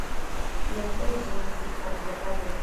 Ŝia edzo estis advokato.